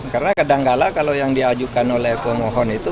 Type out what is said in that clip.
karena kadangkala kalau yang diajukan oleh pemohon itu